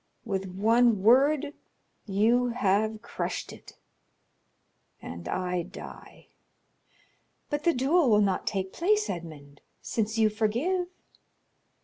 With one word you have crushed it, and I die." "But the duel will not take place, Edmond, since you forgive?"